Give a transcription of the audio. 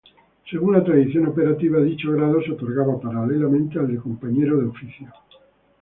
Según la tradición operativa, dicho grado se otorgaba paralelamente al de Compañero de oficio.